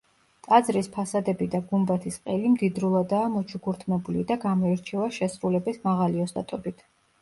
ტაძრის ფასადები და გუმბათის ყელი მდიდრულადაა მოჩუქურთმებული და გამოირჩევა შესრულების მაღალი ოსტატობით.